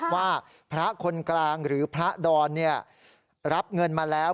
ว่าพระคนกลางหรือพระดอนรับเงินมาแล้ว